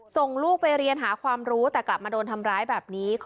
ส่งลูกไปเรียนหาความรู้แต่กลับมาโดนทำร้ายแบบนี้